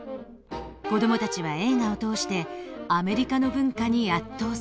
子供たちは映画を通してアメリカの文化に圧倒された。